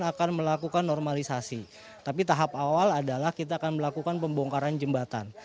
akan melakukan normalisasi tapi tahap awal adalah kita akan melakukan pembongkaran jembatan